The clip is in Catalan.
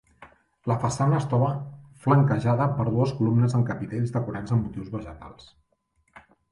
La façana es troba flanquejada per dues columnes amb capitells decorats amb motius vegetals.